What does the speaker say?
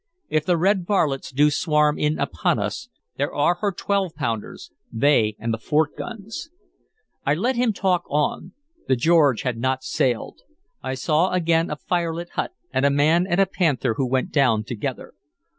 If the red varlets do swarm in upon us, there are her twelve pounders; they and the fort guns" I let him talk on. The George had not sailed. I saw again a firelit hut, and a man and a panther who went down together.